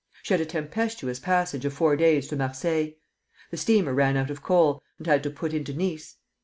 She had a tempestuous passage of four days to Marseilles. The steamer ran out of coal, and had to put into Nice.